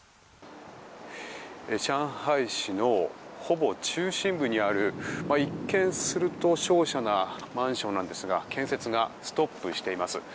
上海市のほぼ中心部にある一見すると瀟洒なマンションなんですが建設がストップしています。